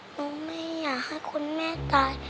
หนูไม่อยากให้คุณแม่ตาย